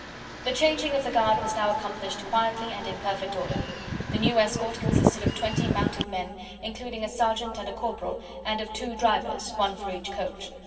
The changing of the guard was now accomplished quietly and in perfect order. The new escort consisted of twenty mounted men, including a sergeant and a corporal, and of two drivers, one for each coach.